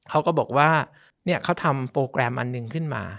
เขาก็บอกว่าเขาทำโปรแกรมอันหนึ่งขึ้นมา